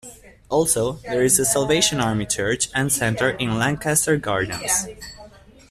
Also, there is a Salvation Army church and centre in Lancaster Gardens.